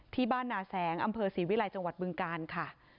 ที่บ้านนาแสงอำเภอศรีวิลัยจังหวัดบึงกาลค่ะ